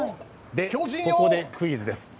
ここでクイズです。